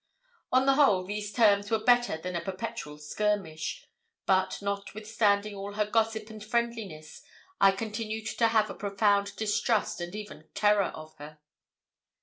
On the whole, these terms were better than a perpetual skirmish; but, notwithstanding all her gossip and friendliness, I continued to have a profound distrust and even terror of her.